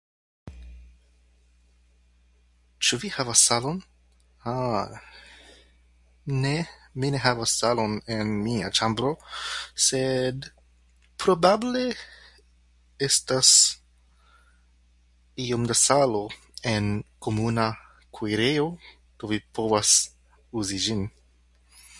Ĉu vi havas salon? [disfluency|Ah], ne, mi ne havas salon en mia ĉambro, sed probable estas iom da salo en komuna kuirejo do vi povas uzi ĝin.